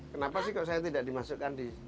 kenapa sih kok saya tidak dimasukkan di